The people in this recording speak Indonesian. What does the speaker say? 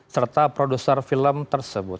serta produser film tersebut